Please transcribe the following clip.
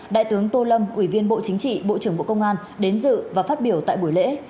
đại tướng tô lâm ủy viên bộ chính trị bộ trưởng bộ công an đến dự và phát biểu tại buổi lễ